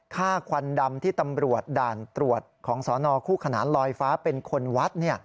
ควันดำที่ตำรวจด่านตรวจของสนคู่ขนานลอยฟ้าเป็นคนวัด